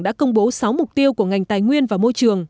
đã công bố sáu mục tiêu của ngành tài nguyên và môi trường